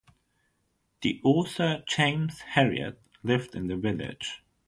The author James Herriot lived in the village.